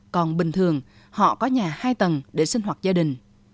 còn bình thường họ có nhà hai tầng để sinh hoạt gia đình